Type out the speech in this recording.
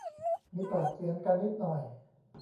มีปากเสียงกันนิดหน่อย